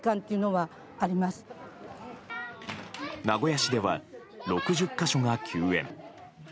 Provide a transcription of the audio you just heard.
名古屋市では６０か所が休園。